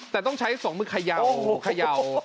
แต่ต้องใช้สองมือเขย่า